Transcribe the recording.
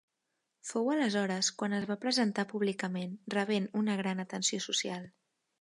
Fou aleshores quan es va presentar públicament, rebent una gran atenció social.